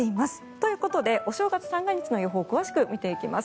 ということでお正月三が日の予報を詳しく見ていきます。